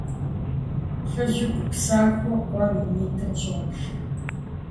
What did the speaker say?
ЛӀыжьыр гупсэхуу къуэм и нитӀым щӀоплъэ.